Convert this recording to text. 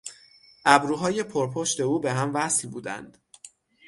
ابروهای پرپشت او به هم وصل بودند.